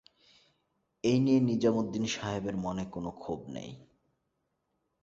এই নিয়ে নিজামুদ্দিন সাহেবের মনে কোনো ক্ষোভ নেই।